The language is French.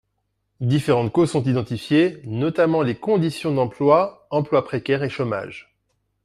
Différentes causes sont identifiées, notamment les conditions d’emploi, emploi précaire et chômage.